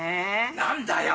何だよ？